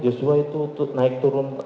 joshua itu naik turun